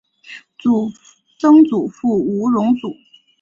曾祖父吴荣祖。